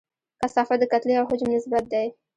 کثافت د کتلې او حجم نسبت دی.